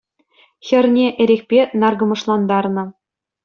Хӗрне эрехпе наркӑмӑшлантарнӑ